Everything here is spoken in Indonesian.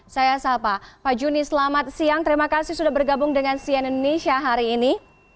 saya sapa pak juni selamat siang terima kasih sudah bergabung dengan cn indonesia hari ini